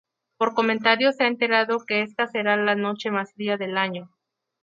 Por comentarios se ha enterado que esta será la noche más fría del año.